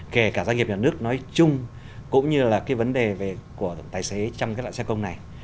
kể cả doanh nghiệp nhà nước nói chung cũng như là cái vấn đề của tài xế trong cái loại xe công này